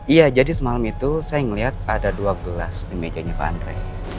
iya jadi semalam itu saya melihat ada dua gelas di mejanya bandre